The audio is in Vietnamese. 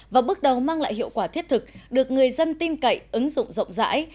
và bước đầu mang lại hiệu quả thiết thực được người dân tin cậy ứng dụng rộng rãi